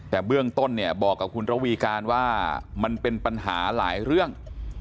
แต่เบื้องต้นเนี่ยบอกกับคุณระวีการว่ามันเป็นปัญหาหลายเรื่อง